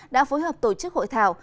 đã phối hợp tổ chức hội thảo